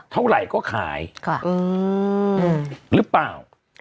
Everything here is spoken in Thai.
เท่าไหร่ก็ขายหรือเปล่า